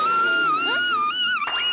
えっ？